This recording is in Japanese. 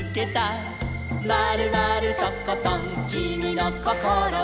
「まるまるとことんきみのこころは」